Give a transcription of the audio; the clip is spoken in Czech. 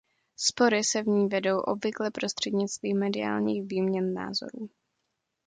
Spory se v ní vedou obvykle prostřednictvím mediálních výměn názorů.